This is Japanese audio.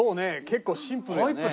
結構シンプルだね。